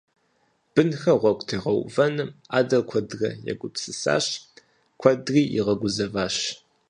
Бынхэр гъуэгу тегъэувэным адэр куэдрэ егупсысащ, куэдри игъэгузэващ.